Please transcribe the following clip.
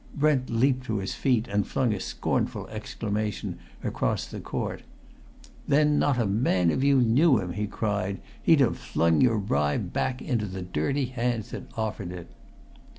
Brent leapt to his feet and flung a scornful exclamation across the court. "Then not a man of you knew him!" he cried. "He'd have flung your bribe back into the dirty hands that offered it!"